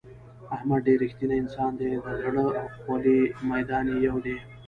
احمد ډېر رښتینی انسان دی د زړه او خولې میدان یې یو دی.